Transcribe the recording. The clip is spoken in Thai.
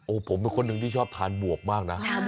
ผมเป็นคนหนึ่งที่ชอบทานบวกมากนะ